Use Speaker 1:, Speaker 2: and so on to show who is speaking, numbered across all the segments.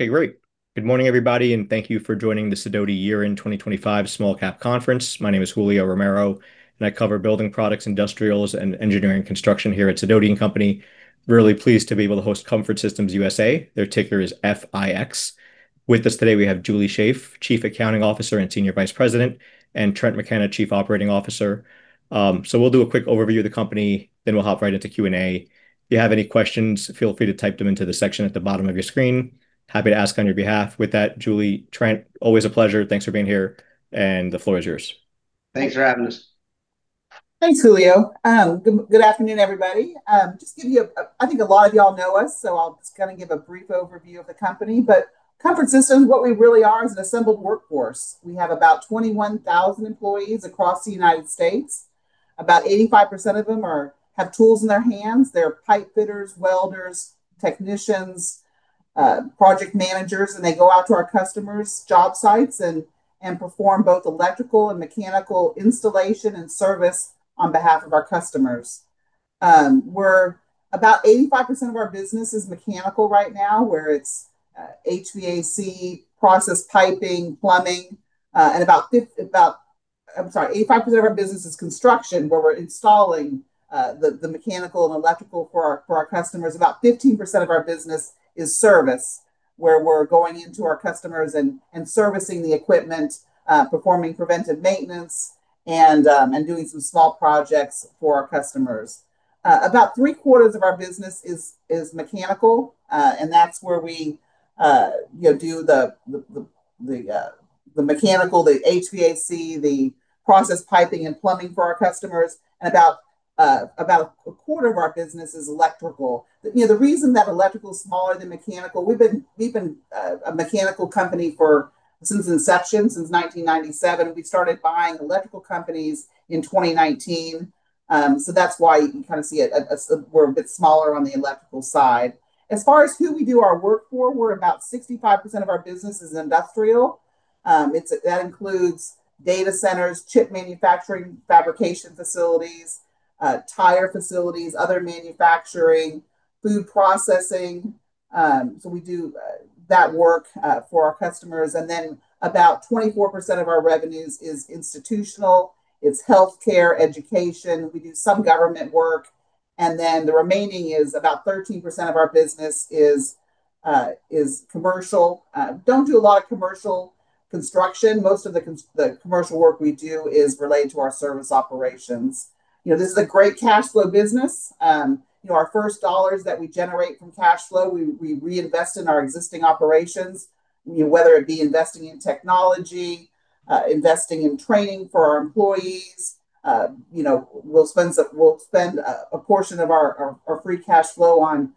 Speaker 1: Okay, great. Good morning, everybody, and thank you for joining the Sidoti Year in 2025 Small Cap Conference. My name is Julio Romero, and I cover building products, industrials, and engineering construction here at Sidoti & Company. Really pleased to be able to host Comfort Systems USA. Their ticker is FIX. With us today, we have Julie Shaeff, Chief Accounting Officer and Senior Vice President, and Trent McKenna, Chief Operating Officer. So we'll do a quick overview of the company, then we'll hop right into Q&A. If you have any questions, feel free to type them into the section at the bottom of your screen. Happy to ask on your behalf. With that, Julie, Trent, always a pleasure. Thanks for being here, and the floor is yours.
Speaker 2: Thanks for having us.
Speaker 3: Thanks, Julio. Good afternoon, everybody. Just give you a—I think a lot of y'all know us, so I'll just kind of give a brief overview of the company. But Comfort Systems, what we really are is an assembled workforce. We have about 21,000 employees across the United States. About 85% of them have tools in their hands. They're pipe fitters, welders, technicians, project managers, and they go out to our customers' job sites and perform both electrical and mechanical installation and service on behalf of our customers. We're about 85% of our business is mechanical right now, where it's HVAC, process piping, plumbing, and about—I'm sorry—85% of our business is construction, where we're installing the mechanical and electrical for our customers. About 15% of our business is service, where we're going into our customers and servicing the equipment, performing preventive maintenance, and doing some small projects for our customers. About three quarters of our business is mechanical, and that's where we do the mechanical, the HVAC, the process piping, and plumbing for our customers. And about a quarter of our business is electrical. The reason that electrical is smaller than mechanical, we've been a mechanical company since inception, since 1997. We started buying electrical companies in 2019, so that's why you kind of see we're a bit smaller on the electrical side. As far as who we do our work for, we're about 65% of our business is industrial. That includes data centers, chip manufacturing, fabrication facilities, tire facilities, other manufacturing, food processing. So we do that work for our customers. And then about 24% of our revenues is institutional. It's healthcare, education. We do some government work. And then the remaining is about 13% of our business is commercial. Don't do a lot of commercial construction. Most of the commercial work we do is related to our service operations. This is a great cash flow business. Our first dollars that we generate from cash flow, we reinvest in our existing operations, whether it be investing in technology, investing in training for our employees. We'll spend a portion of our free cash flow on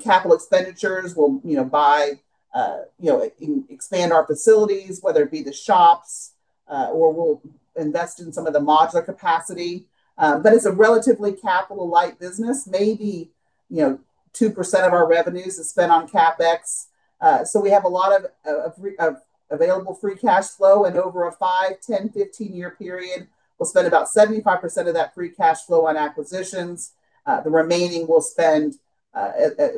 Speaker 3: capital expenditures. We'll buy and expand our facilities, whether it be the shops, or we'll invest in some of the modular capacity, but it's a relatively capital-light business. Maybe 2% of our revenues is spent on CapEx. So we have a lot of available free cash flow, and over a five, 10, 15-year period, we'll spend about 75% of that free cash flow on acquisitions. The remaining we'll spend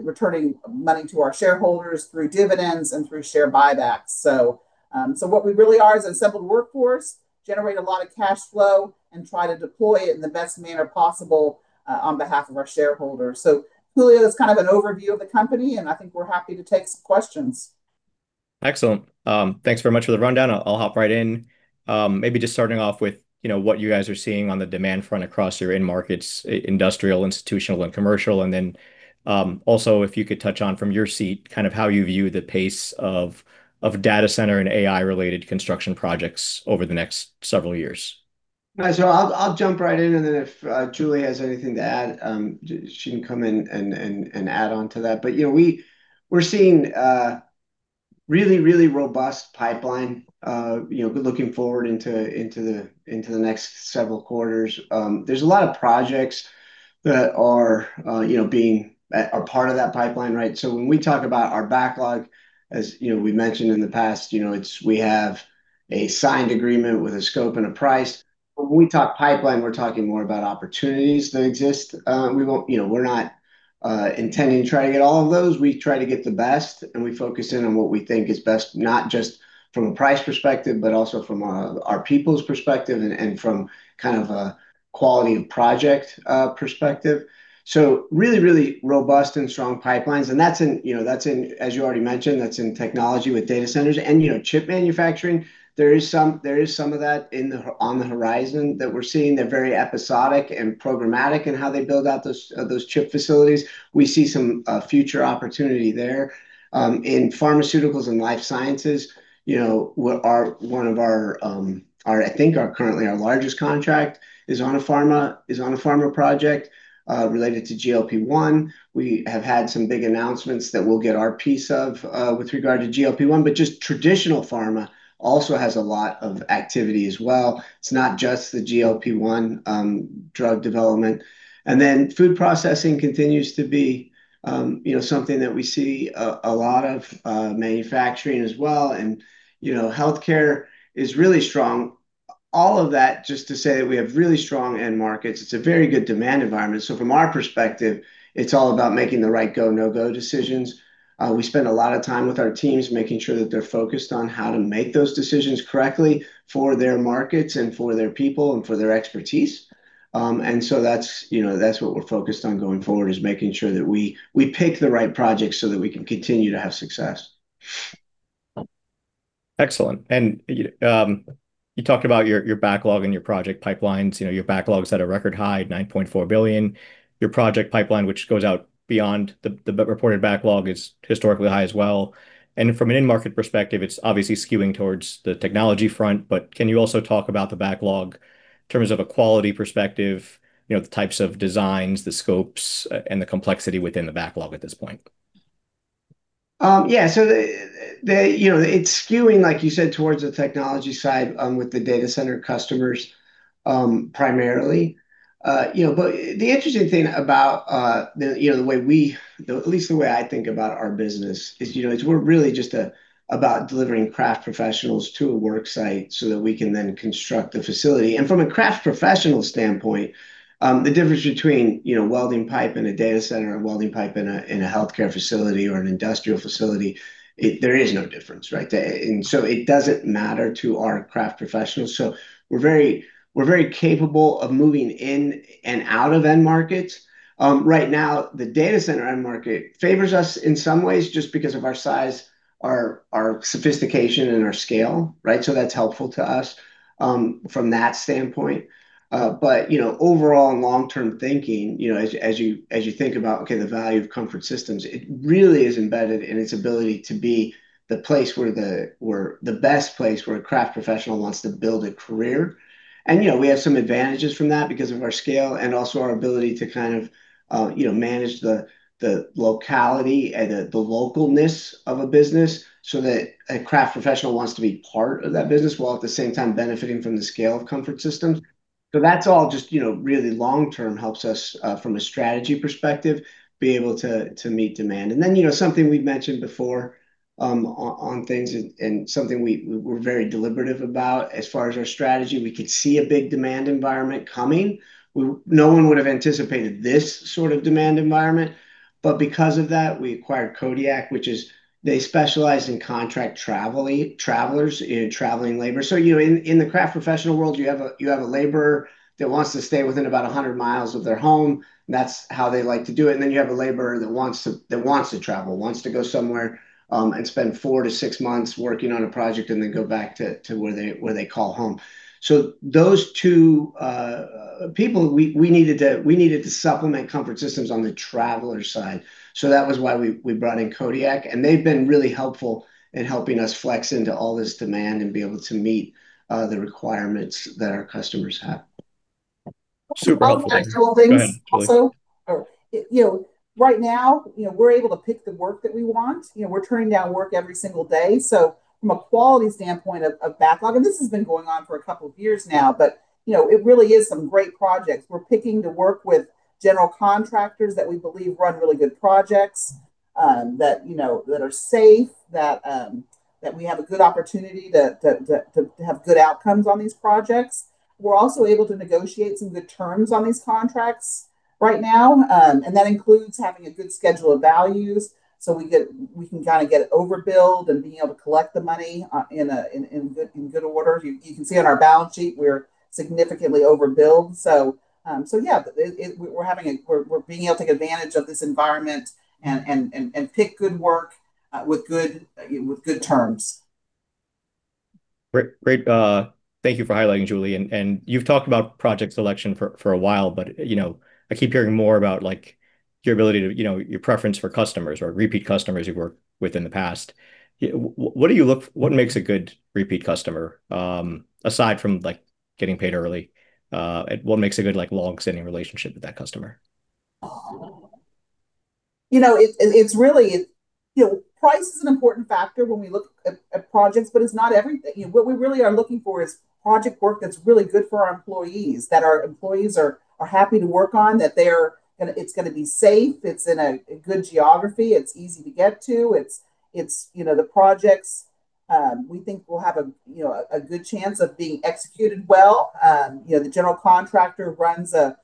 Speaker 3: returning money to our shareholders through dividends and through share buybacks. So what we really are is an assembled workforce, generate a lot of cash flow, and try to deploy it in the best manner possible on behalf of our shareholders. So Julio, that's kind of an overview of the company, and I think we're happy to take some questions.
Speaker 1: Excellent. Thanks very much for the rundown. I'll hop right in. Maybe just starting off with what you guys are seeing on the demand front across your end markets, industrial, institutional, and commercial. And then also, if you could touch on from your seat kind of how you view the pace of data center and AI-related construction projects over the next several years.
Speaker 2: So I'll jump right in, and then if Julie has anything to add, she can come in and add on to that. But we're seeing really, really robust pipeline looking forward into the next several quarters. There's a lot of projects that are being a part of that pipeline, right? So when we talk about our backlog, as we've mentioned in the past, we have a signed agreement with a scope and a price. When we talk pipeline, we're talking more about opportunities that exist. We're not intending to try to get all of those. We try to get the best, and we focus in on what we think is best, not just from a price perspective, but also from our people's perspective and from kind of a quality of project perspective. So really, really robust and strong pipelines. And that's in, as you already mentioned, that's in technology with data centers and chip manufacturing. There is some of that on the horizon that we're seeing. They're very episodic and programmatic in how they build out those chip facilities. We see some future opportunity there. In pharmaceuticals and life sciences, one of our, I think, currently our largest contract is on a pharma project related to GLP-1. We have had some big announcements that we'll get our piece of with regard to GLP-1, but just traditional pharma also has a lot of activity as well. It's not just the GLP-1 drug development. And then food processing continues to be something that we see a lot of manufacturing as well. And healthcare is really strong. All of that just to say that we have really strong end markets. It's a very good demand environment. So from our perspective, it's all about making the right go, no-go decisions. We spend a lot of time with our teams making sure that they're focused on how to make those decisions correctly for their markets and for their people and for their expertise. And so that's what we're focused on going forward, is making sure that we pick the right projects so that we can continue to have success.
Speaker 1: Excellent. And you talked about your backlog and your project pipelines. Your backlog's at a record high, $9.4 billion. Your project pipeline, which goes out beyond the reported backlog, is historically high as well. And from an end market perspective, it's obviously skewing towards the technology front. But can you also talk about the backlog in terms of a quality perspective, the types of designs, the scopes, and the complexity within the backlog at this point?
Speaker 2: Yeah. So it's skewing, like you said, towards the technology side with the data center customers primarily. But the interesting thing about the way we, at least the way I think about our business, is we're really just about delivering craft professionals to a work site so that we can then construct the facility. And from a craft professional standpoint, the difference between welding pipe in a data center and welding pipe in a healthcare facility or an industrial facility, there is no difference, right? And so it doesn't matter to our craft professionals. So we're very capable of moving in and out of end markets. Right now, the data center end market favors us in some ways just because of our size, our sophistication, and our scale, right? So that's helpful to us from that standpoint. But overall, in long-term thinking, as you think about, okay, the value of Comfort Systems, it really is embedded in its ability to be the place where the best place where a craft professional wants to build a career. And we have some advantages from that because of our scale and also our ability to kind of manage the locality and the localeness of a business so that a craft professional wants to be part of that business while at the same time benefiting from the scale of Comfort Systems. So that's all just really long-term helps us from a strategy perspective be able to meet demand. And then something we've mentioned before on things and something we're very deliberative about as far as our strategy. We could see a big demand environment coming. No one would have anticipated this sort of demand environment. But because of that, we acquired Kodiak, which is they specialize in contract travelers and traveling labor. So in the craft professional world, you have a laborer that wants to stay within about 100 miles of their home. That's how they like to do it. And then you have a laborer that wants to travel, wants to go somewhere and spend four to six months working on a project and then go back to where they call home. So those two people, we needed to supplement Comfort Systems on the traveler side. So that was why we brought in Kodiak. And they've been really helpful in helping us flex into all this demand and be able to meet the requirements that our customers have.
Speaker 1: Super.
Speaker 3: I'll add two things also. Right now, we're able to pick the work that we want. We're turning down work every single day. So from a quality standpoint of backlog, and this has been going on for a couple of years now, but it really is some great projects. We're picking to work with general contractors that we believe run really good projects, that are safe, that we have a good opportunity to have good outcomes on these projects. We're also able to negotiate some good terms on these contracts right now. And that includes having a good schedule of values so we can kind of get it overbilled and being able to collect the money in good order. You can see on our balance sheet, we're significantly overbilled. So yeah, we're being able to take advantage of this environment and pick good work with good terms.
Speaker 1: Great. Thank you for highlighting, Julie. And you've talked about project selection for a while, but I keep hearing more about your ability to your preference for customers or repeat customers you've worked with in the past. What makes a good repeat customer aside from getting paid early? What makes a good long-standing relationship with that customer?
Speaker 3: It's really, price is an important factor when we look at projects, but it's not everything. What we really are looking for is project work that's really good for our employees, that our employees are happy to work on, that it's going to be safe, it's in a good geography, it's easy to get to. The projects, we think we'll have a good chance of being executed well. The general contractor runs a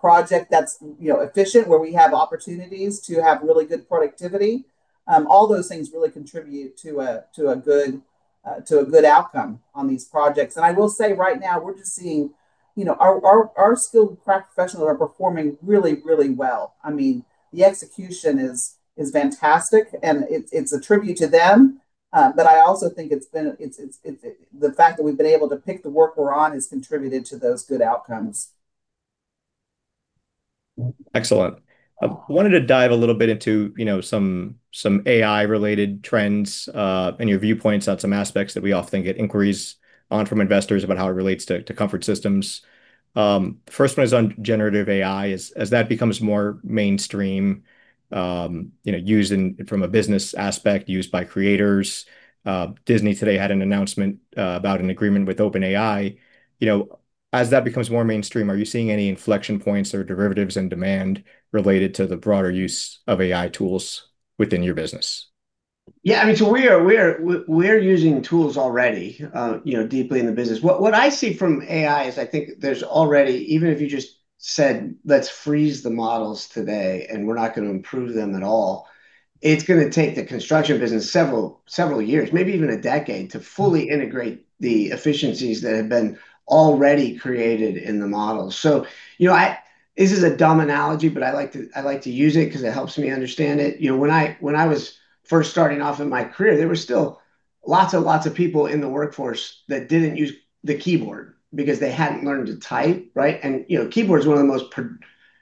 Speaker 3: project that's efficient where we have opportunities to have really good productivity. All those things really contribute to a good outcome on these projects, and I will say right now, we're just seeing our skilled craft professionals are performing really, really well. I mean, the execution is fantastic, and it's a tribute to them. But I also think it's been the fact that we've been able to pick the work we're on has contributed to those good outcomes.
Speaker 1: Excellent. I wanted to dive a little bit into some AI-related trends and your viewpoints on some aspects that we often get inquiries on from investors about how it relates to Comfort Systems. The first one is on generative AI. As that becomes more mainstream used from a business aspect, used by creators, Disney today had an announcement about an agreement with OpenAI. As that becomes more mainstream, are you seeing any inflection points or derivatives in demand related to the broader use of AI tools within your business?
Speaker 2: Yeah. I mean, so we're using tools already deeply in the business. What I see from AI is I think there's already, even if you just said, "Let's freeze the models today and we're not going to improve them at all," it's going to take the construction business several years, maybe even a decade, to fully integrate the efficiencies that have been already created in the models. So this is a dumb analogy, but I like to use it because it helps me understand it. When I was first starting off in my career, there were still lots and lots of people in the workforce that didn't use the keyboard because they hadn't learned to type, right? And keyboard is one of the most,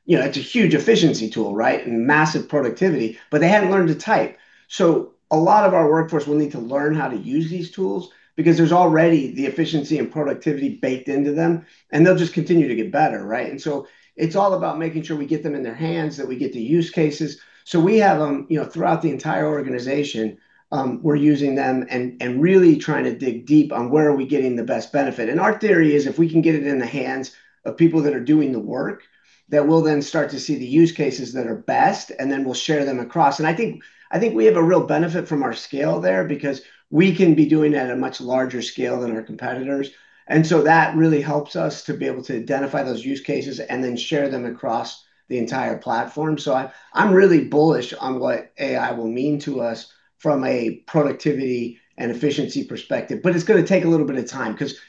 Speaker 2: it's a huge efficiency tool, right, and massive productivity, but they hadn't learned to type. So a lot of our workforce will need to learn how to use these tools because there's already the efficiency and productivity baked into them, and they'll just continue to get better, right? And so it's all about making sure we get them in their hands, that we get the use cases. So we have them throughout the entire organization. We're using them and really trying to dig deep on where are we getting the best benefit. And our theory is if we can get it in the hands of people that are doing the work, that we'll then start to see the use cases that are best, and then we'll share them across. And I think we have a real benefit from our scale there because we can be doing it at a much larger scale than our competitors. And so that really helps us to be able to identify those use cases and then share them across the entire platform. So I'm really bullish on what AI will mean to us from a productivity and efficiency perspective, but it's going to take a little bit of time because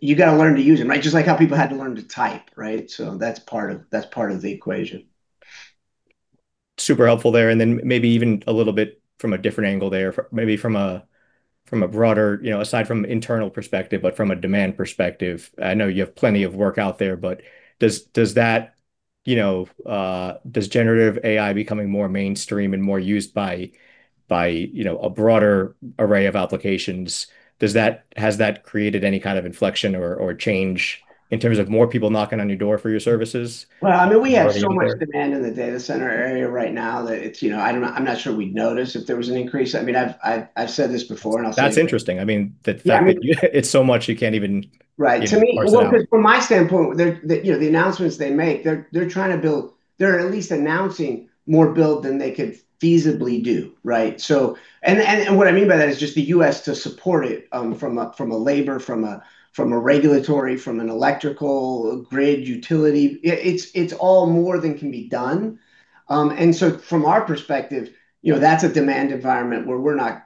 Speaker 2: you got to learn to use it, right? Just like how people had to learn to type, right? So that's part of the equation.
Speaker 1: Super helpful there. And then maybe even a little bit from a different angle there, maybe from a broader, aside from internal perspective, but from a demand perspective. I know you have plenty of work out there, but does generative AI becoming more mainstream and more used by a broader array of applications, has that created any kind of inflection or change in terms of more people knocking on your door for your services?
Speaker 2: Well, I mean, we have so much demand in the data center area right now that I'm not sure we'd notice if there was an increase. I mean, I've said this before, and I'll say.
Speaker 1: That's interesting. I mean, the fact that it's so much you can't even.
Speaker 2: Right. To me, from my standpoint, the announcements they make, they're trying to build, they're at least announcing more build than they could feasibly do, right? And what I mean by that is just the U.S. to support it from a labor, from a regulatory, from an electrical grid, utility. It's all more than can be done. And so from our perspective, that's a demand environment where we're not,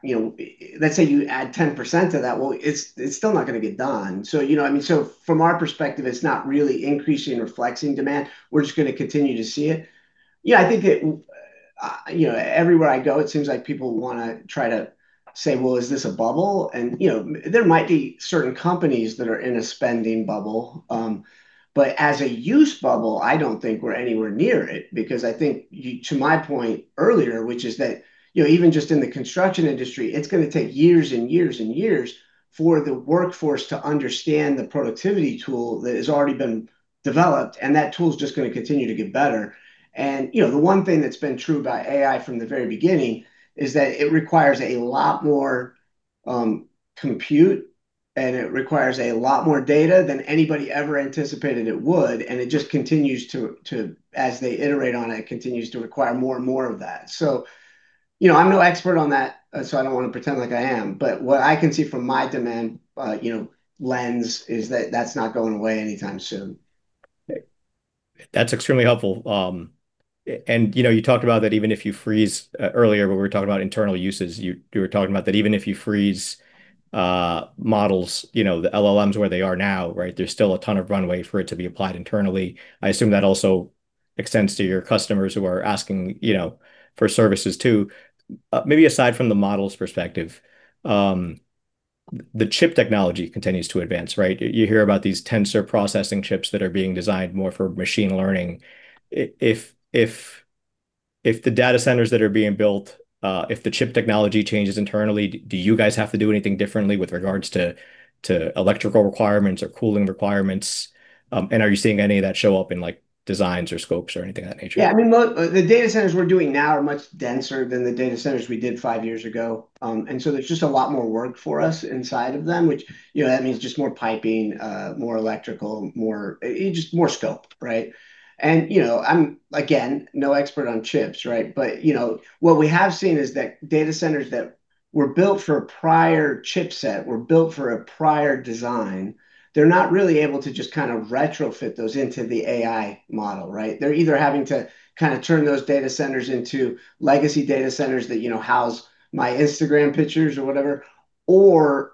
Speaker 2: let's say you add 10% to that, well, it's still not going to get done. So I mean, so from our perspective, it's not really increasing or flexing demand. We're just going to continue to see it. Yeah, I think everywhere I go, it seems like people want to try to say, "Well, is this a bubble?" And there might be certain companies that are in a spending bubble. But as an AI bubble, I don't think we're anywhere near it because I think to my point earlier, which is that even just in the construction industry, it's going to take years and years and years for the workforce to understand the productivity tool that has already been developed, and that tool is just going to continue to get better. And the one thing that's been true about AI from the very beginning is that it requires a lot more compute, and it requires a lot more data than anybody ever anticipated it would. And it just continues to, as they iterate on it, continues to require more and more of that. So I'm no expert on that, so I don't want to pretend like I am. But what I can see from my demand lens is that that's not going away anytime soon.
Speaker 1: Okay. That's extremely helpful. And you talked about that even if you freeze earlier, when we were talking about internal uses, you were talking about that even if you freeze models, the LLMs where they are now, right? There's still a ton of runway for it to be applied internally. I assume that also extends to your customers who are asking for services too. Maybe aside from the models perspective, the chip technology continues to advance, right? You hear about these Tensor processing chips that are being designed more for machine learning. If the data centers that are being built, if the chip technology changes internally, do you guys have to do anything differently with regards to electrical requirements or cooling requirements? And are you seeing any of that show up in designs or scopes or anything of that nature?
Speaker 2: Yeah. I mean, the data centers we're doing now are much denser than the data centers we did five years ago. And so there's just a lot more work for us inside of them, which means just more piping, more electrical, more scope, right? And again, no expert on chips, right? But what we have seen is that data centers that were built for a prior chipset, were built for a prior design, they're not really able to just kind of retrofit those into the AI model, right? They're either having to kind of turn those data centers into legacy data centers that house my Instagram pictures or whatever, or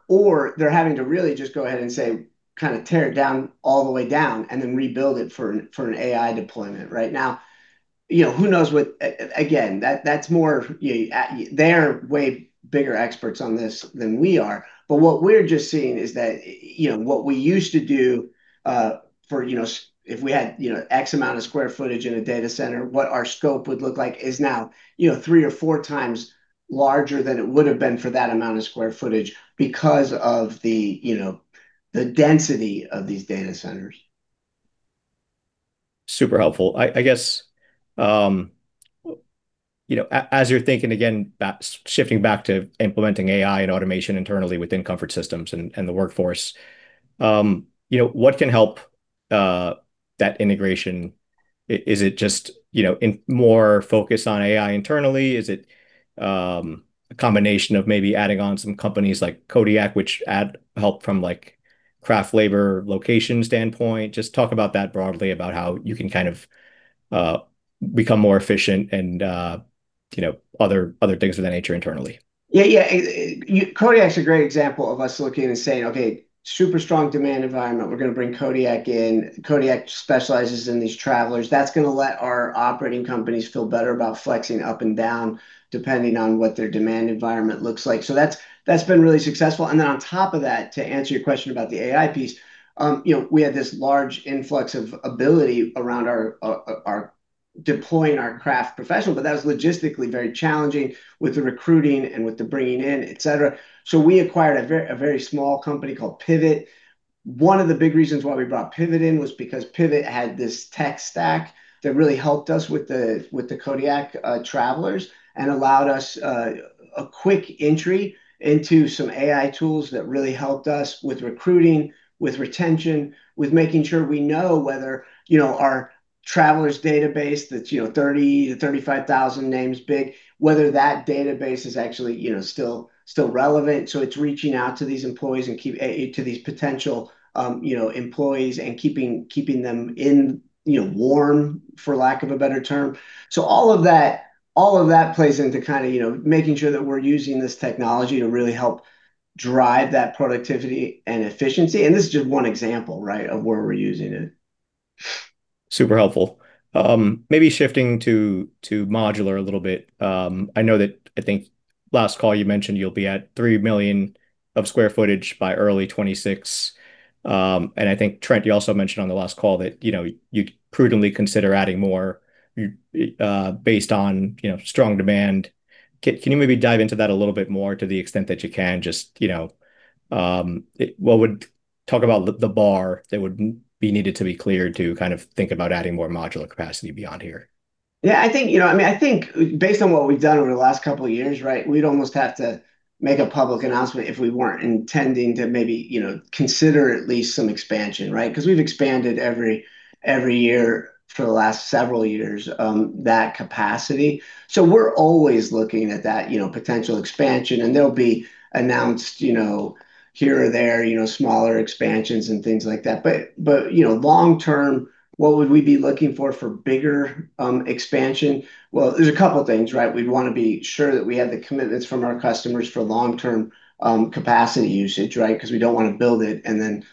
Speaker 2: they're having to really just go ahead and say, kind of tear it down all the way down and then rebuild it for an AI deployment, right? Now, who knows what, again, that's more, they're way bigger experts on this than we are. But what we're just seeing is that what we used to do for if we had X amount of square footage in a data center, what our scope would look like is now three or four times larger than it would have been for that amount of square footage because of the density of these data centers.
Speaker 1: Super helpful. I guess as you're thinking, again, shifting back to implementing AI and automation internally within Comfort Systems and the workforce, what can help that integration? Is it just more focus on AI internally? Is it a combination of maybe adding on some companies like Kodiak, which help from craft labor location standpoint? Just talk about that broadly, about how you can kind of become more efficient and other things of that nature internally.
Speaker 2: Yeah. Yeah. Kodiak's a great example of us looking and saying, "Okay, super strong demand environment. We're going to bring Kodiak in. Kodiak specializes in these travelers." That's going to let our operating companies feel better about flexing up and down depending on what their demand environment looks like. So that's been really successful. And then on top of that, to answer your question about the AI piece, we had this large influx of ability around deploying our craft professional, but that was logistically very challenging with the recruiting and with the bringing in, etc. So we acquired a very small company called Pivot. One of the big reasons why we brought Pivot in was because Pivot had this tech stack that really helped us with the Kodiak travelers and allowed us a quick entry into some AI tools that really helped us with recruiting, with retention, with making sure we know whether our travelers database, that's 30-35,000 names big, whether that database is actually still relevant, so it's reaching out to these employees and to these potential employees and keeping them in warm, for lack of a better term, so all of that plays into kind of making sure that we're using this technology to really help drive that productivity and efficiency, and this is just one example, right, of where we're using it.
Speaker 1: Super helpful. Maybe shifting to modular a little bit. I think last call you mentioned you'll be at 3 million sq ft by early 2026. And I think, Trent, you also mentioned on the last call that you prudently consider adding more based on strong demand. Can you maybe dive into that a little bit more to the extent that you can? Just talk about the bar that would be needed to be cleared to kind of think about adding more modular capacity beyond here.
Speaker 2: Yeah. I mean, I think based on what we've done over the last couple of years, right, we'd almost have to make a public announcement if we weren't intending to maybe consider at least some expansion, right? Because we've expanded every year for the last several years that capacity. So we're always looking at that potential expansion, and there'll be announced here or there smaller expansions and things like that. But long term, what would we be looking for bigger expansion? Well, there's a couple of things, right? We'd want to be sure that we have the commitments from our customers for long-term capacity usage, right? Because we don't want to build it and then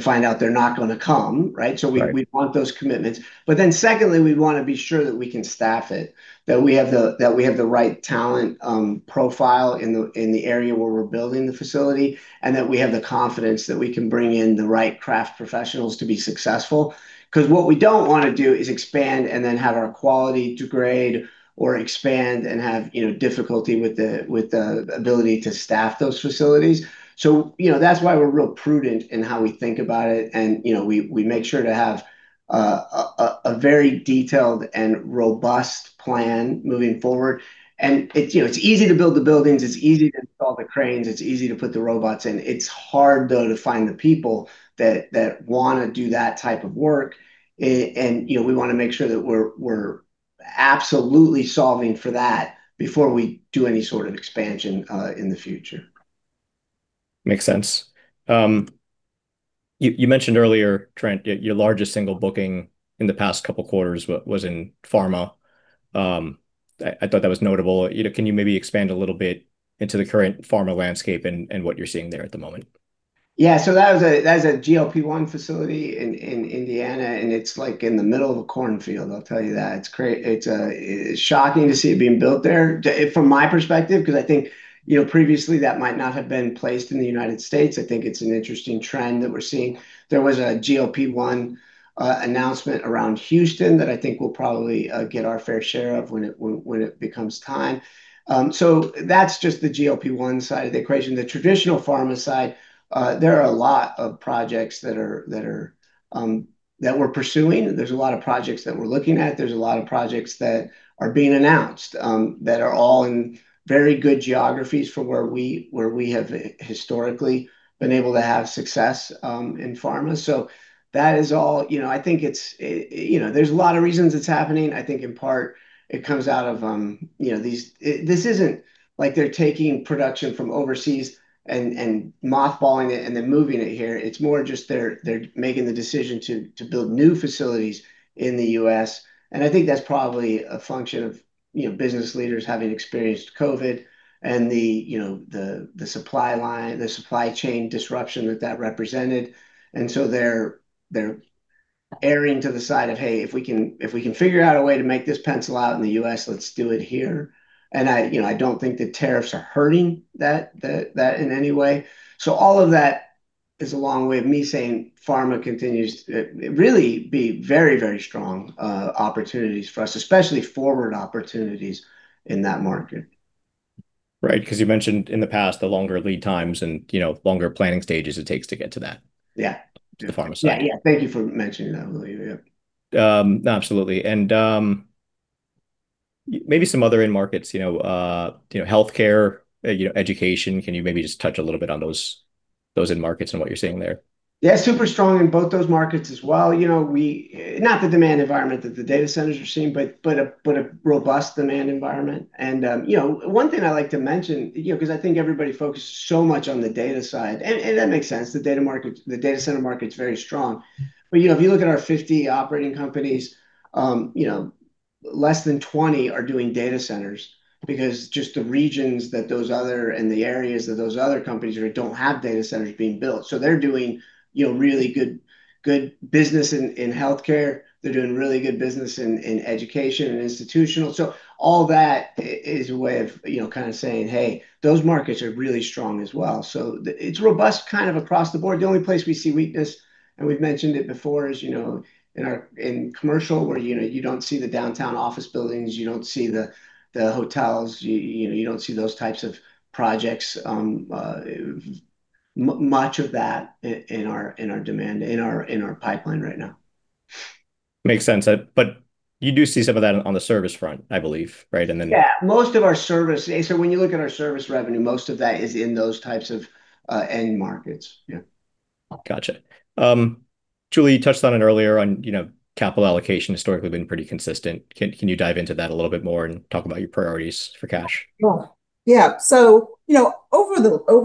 Speaker 2: find out they're not going to come, right? So we want those commitments. But then secondly, we want to be sure that we can staff it, that we have the right talent profile in the area where we're building the facility, and that we have the confidence that we can bring in the right craft professionals to be successful. Because what we don't want to do is expand and then have our quality degrade or expand and have difficulty with the ability to staff those facilities. So that's why we're real prudent in how we think about it. And we make sure to have a very detailed and robust plan moving forward. And it's easy to build the buildings. It's easy to install the cranes. It's easy to put the robots in. It's hard, though, to find the people that want to do that type of work. We want to make sure that we're absolutely solving for that before we do any sort of expansion in the future.
Speaker 1: Makes sense. You mentioned earlier, Trent, your largest single booking in the past couple of quarters was in pharma. I thought that was notable. Can you maybe expand a little bit into the current pharma landscape and what you're seeing there at the moment?
Speaker 2: Yeah. So that's a GLP-1 facility in Indiana, and it's in the middle of a cornfield. I'll tell you that. It's shocking to see it being built there from my perspective because I think previously that might not have been placed in the United States. I think it's an interesting trend that we're seeing. There was a GLP-1 announcement around Houston that I think we'll probably get our fair share of when it becomes time. So that's just the GLP-1 side of the equation. The traditional pharma side, there are a lot of projects that we're pursuing. There's a lot of projects that we're looking at. There's a lot of projects that are being announced that are all in very good geographies for where we have historically been able to have success in pharma. So that is all. I think there's a lot of reasons it's happening. I think in part, it comes out of this isn't like they're taking production from overseas and mothballing it and then moving it here. It's more just they're making the decision to build new facilities in the U.S. And I think that's probably a function of business leaders having experienced COVID and the supply chain disruption that that represented. And so they're erring to the side of, "Hey, if we can figure out a way to make this pencil out in the U.S., let's do it here." And I don't think the tariffs are hurting that in any way. So all of that is a long way of me saying pharma continues to really be very, very strong opportunities for us, especially forward opportunities in that market.
Speaker 1: Right. Because you mentioned in the past, the longer lead times and longer planning stages it takes to get to that.
Speaker 2: Yeah.
Speaker 1: To the pharma side.
Speaker 2: Yeah. Yeah. Thank you for mentioning that, Julio. Yeah.
Speaker 1: Absolutely. And maybe some other end markets, healthcare, education, can you maybe just touch a little bit on those end markets and what you're seeing there?
Speaker 2: Yeah. Super strong in both those markets as well. Not the demand environment that the data centers are seeing, but a robust demand environment. And one thing I like to mention because I think everybody focuses so much on the data side, and that makes sense. The data center market's very strong. But if you look at our 50 operating companies, less than 20 are doing data centers because just the regions and the areas that those other companies don't have data centers being built. So they're doing really good business in healthcare. They're doing really good business in education and institutional. So all that is a way of kind of saying, "Hey, those markets are really strong as well." So it's robust kind of across the board. The only place we see weakness, and we've mentioned it before, is in commercial where you don't see the downtown office buildings. You don't see the hotels. You don't see those types of projects. Much of that in our demand, in our pipeline right now.
Speaker 1: Makes sense. But you do see some of that on the service front, I believe, right? And then.
Speaker 2: Yeah. Most of our service, so when you look at our service revenue, most of that is in those types of end markets. Yeah.
Speaker 1: Gotcha. Julie touched on it earlier on capital allocation historically been pretty consistent. Can you dive into that a little bit more and talk about your priorities for cash?
Speaker 3: Yeah. So over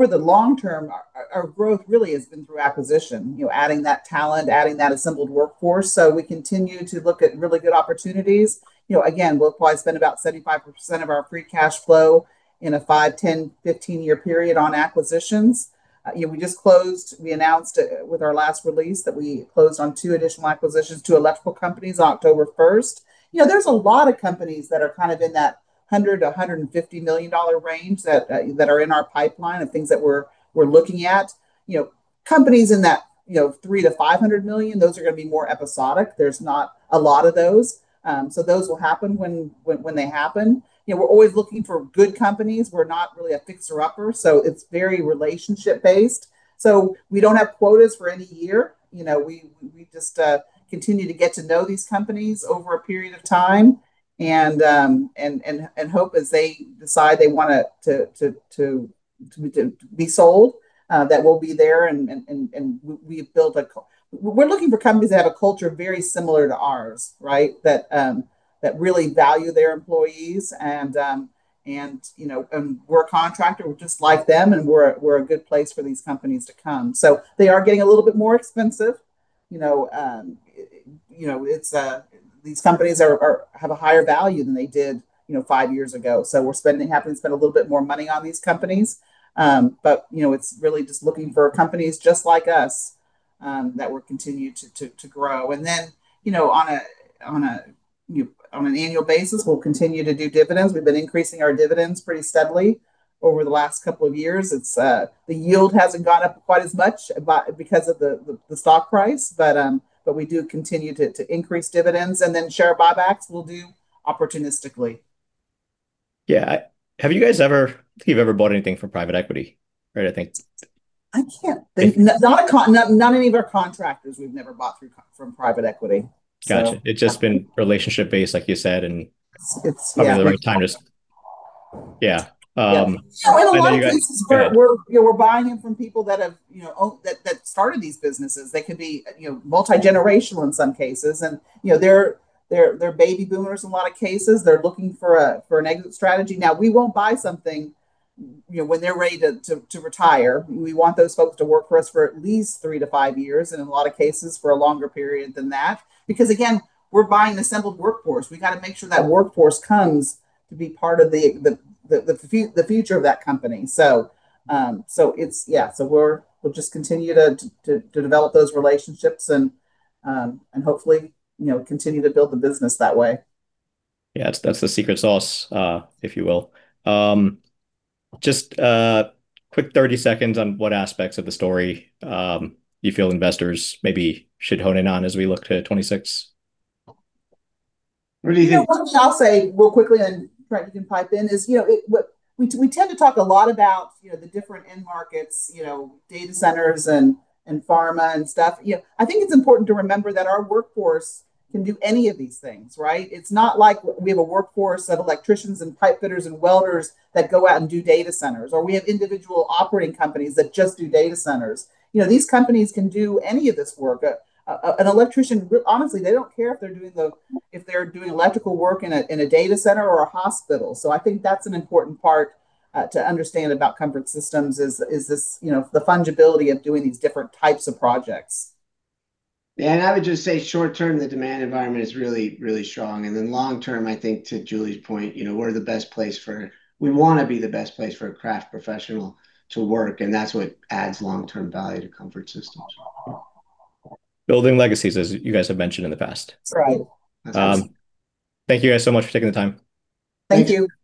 Speaker 3: the long term, our growth really has been through acquisition, adding that talent, adding that assembled workforce. So we continue to look at really good opportunities. Again, we'll probably spend about 75% of our free cash flow in a five, 10, 15-year period on acquisitions. We just closed. We announced with our last release that we closed on two additional acquisitions, two electrical companies on October 1st. There's a lot of companies that are kind of in that $100 million-$150 million range that are in our pipeline and things that we're looking at. Companies in that $3 million-$500 million, those are going to be more episodic. There's not a lot of those. So those will happen when they happen. We're always looking for good companies. We're not really a fixer-upper. So it's very relationship-based. So we don't have quotas for any year. We just continue to get to know these companies over a period of time and hope as they decide they want to be sold, that we'll be there and we've built. We're looking for companies that have a culture very similar to ours, right, that really value their employees, and we're a contractor. We're just like them, and we're a good place for these companies to come, so they are getting a little bit more expensive. These companies have a higher value than they did five years ago. We're happy to spend a little bit more money on these companies, but it's really just looking for companies just like us that will continue to grow, and then on an annual basis, we'll continue to do dividends. We've been increasing our dividends pretty steadily over the last couple of years. The yield hasn't gone up quite as much because of the stock price, but we do continue to increase dividends and then share buybacks. We'll do opportunistically.
Speaker 1: Yeah. Have you guys ever think you've ever bought anything from private equity, right? I think.
Speaker 3: I can't think. Not any of our contractors. We've never bought from private equity.
Speaker 1: Gotcha. It's just been relationship-based, like you said, and probably the right time to.
Speaker 3: It's yeah.
Speaker 1: Yeah.
Speaker 3: In a lot of cases, we're buying it from people that started these businesses. They can be multi-generational in some cases. They're Baby Boomers in a lot of cases. They're looking for an exit strategy. Now, we won't buy something when they're ready to retire. We want those folks to work for us for at least three-to-five years and in a lot of cases for a longer period than that. Because again, we're buying assembled workforce. We got to make sure that workforce comes to be part of the future of that company. Yeah. We'll just continue to develop those relationships and hopefully continue to build the business that way.
Speaker 1: Yeah. That's the secret sauce, if you will. Just quick 30 seconds on what aspects of the story you feel investors maybe should hone in on as we look to 2026.
Speaker 2: What do you think?
Speaker 3: I'll say real quickly, and Trent, you can pipe in, is we tend to talk a lot about the different end markets, data centers and pharma and stuff. I think it's important to remember that our workforce can do any of these things, right? It's not like we have a workforce of electricians and pipe fitters and welders that go out and do data centers, or we have individual operating companies that just do data centers. These companies can do any of this work. An electrician, honestly, they don't care if they're doing electrical work in a data center or a hospital. So I think that's an important part to understand about Comfort Systems is the fungibility of doing these different types of projects.
Speaker 2: I would just say short term, the demand environment is really, really strong. Then long term, I think to Julie’s point, we want to be the best place for a craft professional to work, and that’s what adds long-term value to Comfort Systems.
Speaker 1: Building legacies, as you guys have mentioned in the past.
Speaker 3: Right.
Speaker 1: Thank you guys so much for taking the time.
Speaker 3: Thank you.
Speaker 2: Thanks.